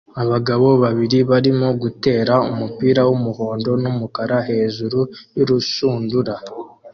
Abagabo babiri barimo gutera umupira w'umuhondo n'umukara hejuru y'urushundura